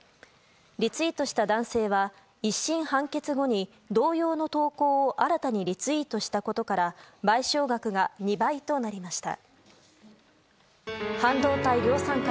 リツイートした男性は１審判決後に同様の投稿を新たにリツイートしたことから賠償額が２倍となりました。